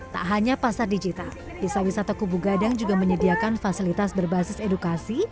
tak hanya pasar digital desa wisata kubu gadang juga menyediakan fasilitas berbasis edukasi